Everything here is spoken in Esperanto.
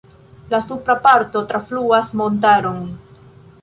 La supra parto trafluas montaron.